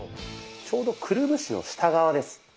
ちょうどくるぶしの下側です。